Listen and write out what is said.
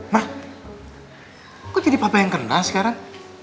mak kok jadi papa yang kena sekarang